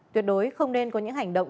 tuyệt đối không nên có những hành động